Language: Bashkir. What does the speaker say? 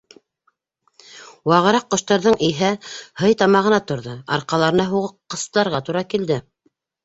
Вағыраҡ ҡоштарҙың иһә һый тамағына торҙо —арҡаларына һуҡҡысларға тура килде.